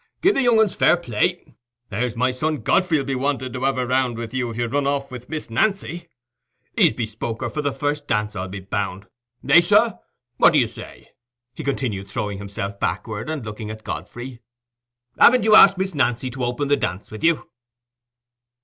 "Give the young uns fair play. There's my son Godfrey'll be wanting to have a round with you if you run off with Miss Nancy. He's bespoke her for the first dance, I'll be bound. Eh, sir! what do you say?" he continued, throwing himself backward, and looking at Godfrey. "Haven't you asked Miss Nancy to open the dance with you?"